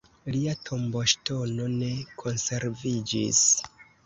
Lia tomboŝtono ne konserviĝis.